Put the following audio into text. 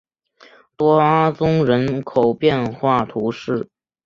多阿宗人口变化图示